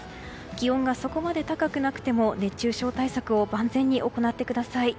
気温がそこまで高くなくても熱中症対策を万全に行ってください。